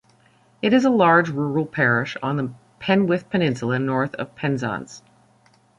It is a large rural parish on the Penwith peninsula north of Penzance.